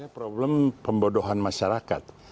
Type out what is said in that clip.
problem pembodohan masyarakat